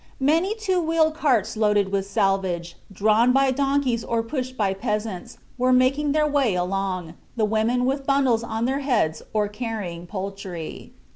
Many two wheeled carts loaded with salvage, drawn by donkeys or pushed by peasants, were making their way along, the women with bundles on their heads or carrying poultry.